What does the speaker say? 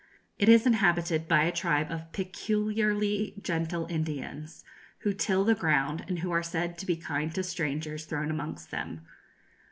It is inhabited by a tribe of peculiarly gentle Indians, who till the ground, and who are said to be kind to strangers thrown amongst them.